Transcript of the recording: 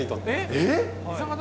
えっ？